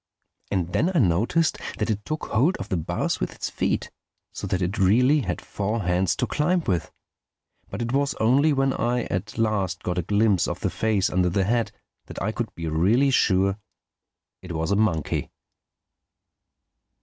And then I noticed that it took hold of the bars with its feet, so that it really had four hands to climb with. But it was only when I at last got a glimpse of the face under the hat that I could be really sure it was a monkey.